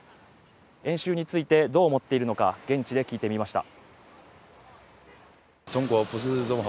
演習について、どう思っているのか現地で聞いてみました。